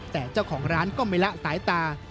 แต่เจ้าของร้านก็ไม่ละสายตา